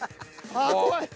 ああ怖い。